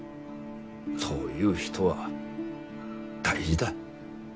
そういう人は大事だ。